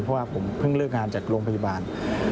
เพราะว่าผมเพิ่งเลิกงานจากโรงพยาบาล